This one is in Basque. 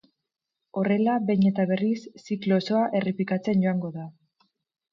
Horrela behin eta berriz, ziklo osoa errepikatzen joango da.